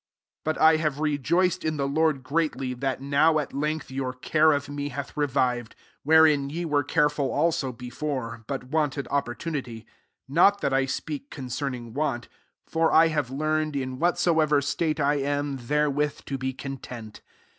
10 But I have rejoiced in tbc Lord greatly, that now at length your care of me hath revived ; wherein ye were care ful also before^ but wanted op portunity. 11 Not that I speak concerning want : for I have learned, in whatsoever state I am, therewith to be content.